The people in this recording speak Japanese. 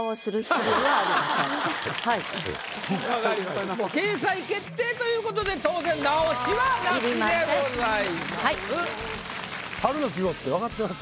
もう掲載決定ということで当然直しはなしでございます。